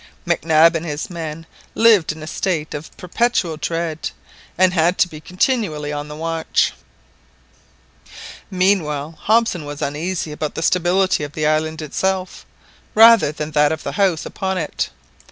Mac Nab and his men lived in a state of perpetual dread, and had to be continually on the watch. Meanwhile, Hobson was uneasy about the stability of the island itself, rather than that of the house upon it.